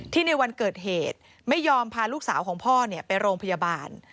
ในวันเกิดเหตุไม่ยอมพาลูกสาวของพ่อไปโรงพยาบาล